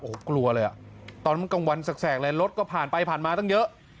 โอ้โหกลัวเลยอ่ะตอนกลางวันแสกเลยรถก็ผ่านไปผ่านมาตั้งเยอะ